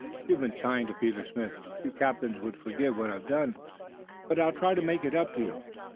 "You've been kind to Peter Smith. Few captains would forgive what I've done, but I'll try to make it up to you.